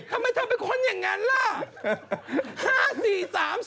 ทำไมเธอเป็นคนอย่างนั้นล่ะ